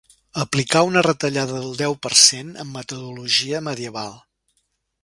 Aplicar una retallada del deu per cent amb metodologia medieval.